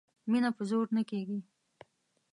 مینه په زور نه کیږي